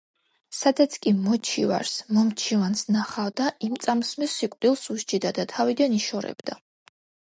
სადაც კი მოჩივარს მომჩივანს ნახავდა, იმ წამსვე სიკვდილს უსჯიდა და თავიდან იშორებდა.